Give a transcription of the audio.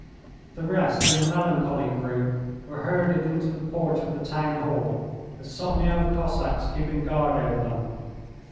The rest in a melancholy group were herded into the porch of the town hall, a sotnia of Cossacks keeping guard over them.